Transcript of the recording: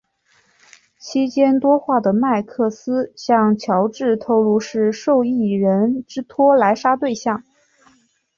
期间多话的麦克斯向乔治透露是受友人之托来杀对象。